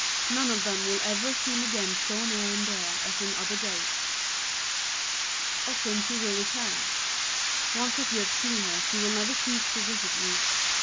None of them will ever seem again so near and dear as in other days. Often she will return. Once that you have seen her she will never cease to visit you.